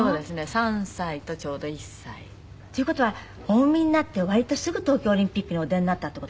３歳とちょうど１歳。っていう事はお産みになって割とすぐ東京オリンピックにお出になったって事。